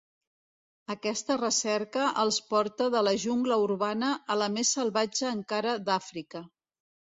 Aquesta recerca els porta de la jungla urbana a la més salvatge encara d'Àfrica.